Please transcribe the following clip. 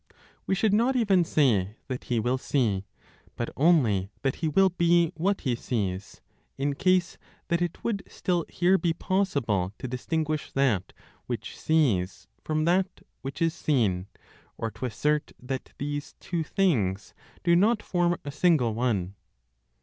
We should not even say that he will see, but only that he will be what he sees, in case that it would still here be possible to distinguish that which sees from that which is seen, or to assert that these two things do not form a single one.